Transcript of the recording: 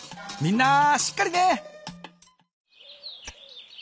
みんなしっかりね。